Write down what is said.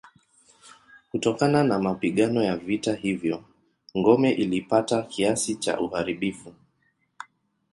Kutokana na mapigano ya vita hivyo ngome ilipata kiasi cha uharibifu.